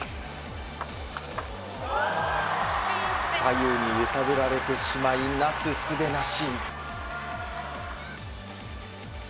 左右に揺さぶられてしまいなすすべなし。